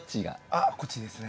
あっこっちですね。